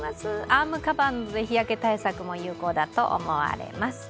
アームカバーで日焼け対策も有効だと思われます。